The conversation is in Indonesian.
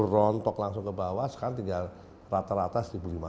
rontok langsung ke bawah sekarang tinggal rata rata satu lima ratus